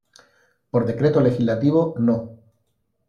Por Decreto Legislativo No.